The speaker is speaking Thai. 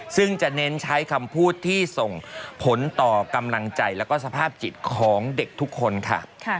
ซึ่งจะเน้นใช้คำพูดที่ส่งผลต่อกำลังใจแล้วก็สภาพจิตของเด็กทุกคนค่ะ